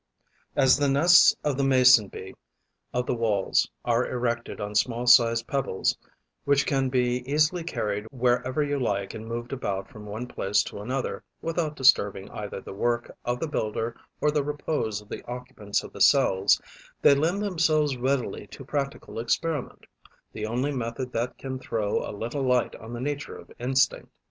As the nests of the Mason bee of the Walls are erected on small sized pebbles, which can be easily carried wherever you like and moved about from one place to another, without disturbing either the work of the builder or the repose of the occupants of the cells, they lend themselves readily to practical experiment, the only method that can throw a little light on the nature of instinct.